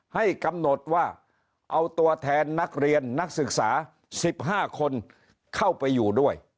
ให้กำหนดว่าเอาตัวแทนนักเรียนนักศึกษา๑๕คนเข้าไปอยู่ด้วย